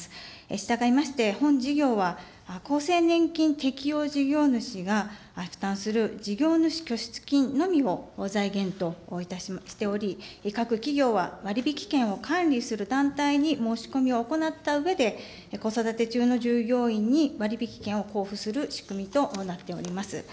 したがいまして本事業は、厚生年金適用事業主が負担する事業主拠出金のみを財源としており、各企業は割り引き券を管理する団体に申し込みを行ったうえで、子育て中の従業員に割り引き券を交付する仕組みとなっております。